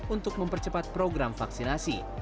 untuk mempercepat program vaksinasi